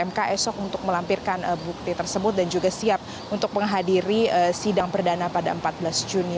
mk esok untuk melampirkan bukti tersebut dan juga siap untuk menghadiri sidang perdana pada empat belas juni